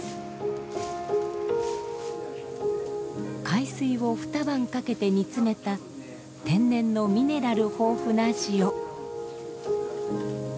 海水を２晩かけて煮詰めた天然のミネラル豊富な塩。